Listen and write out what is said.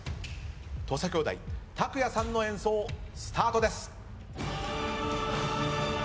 土佐兄弟卓也さんの演奏スタートです。